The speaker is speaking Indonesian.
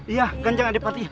iya ganjang adepati